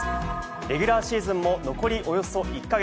レギュラーシーズンも残りおよそ１か月。